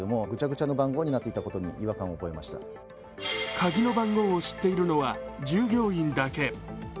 鍵の番号を知っているのは、従業員だけ。